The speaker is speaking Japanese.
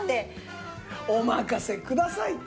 お任せくださいって。